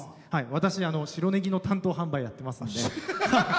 私、白ネギの担当販売やってますんで。